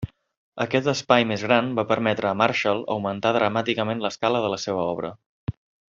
Aquest espai més gran va permetre a Marshall augmentar dramàticament l'escala de la seva obra.